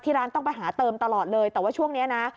ร้านต้องไปหาเติมตลอดเลยแต่ว่าช่วงนี้นะ